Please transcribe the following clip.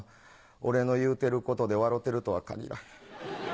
俺の言うてることで笑うてるとは限らへん。